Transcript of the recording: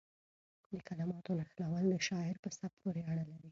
د کلماتو نښلول د شاعر په سبک پورې اړه لري.